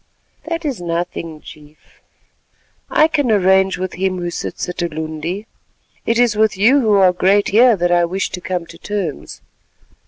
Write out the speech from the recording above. "That is nothing, Chief; I can arrange with him who 'sits at Ulundi.' It is with you who are great here that I wish to come to terms.